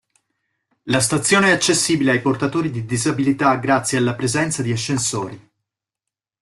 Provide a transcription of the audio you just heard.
La stazione è accessibile ai portatori di disabilità grazie alla presenza di ascensori.